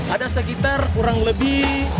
ada sekitar kurang lebih